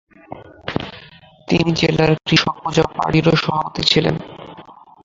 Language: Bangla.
তিনি জেলার কৃষক প্রজা পার্টিরও সভাপতি ছিলেন।